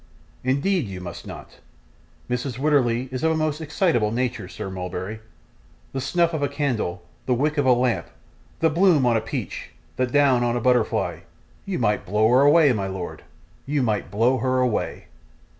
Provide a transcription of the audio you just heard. Indeed you must not. Mrs. Wititterly is of a most excitable nature, Sir Mulberry. The snuff of a candle, the wick of a lamp, the bloom on a peach, the down on a butterfly. You might blow her away, my lord; you might blow her away.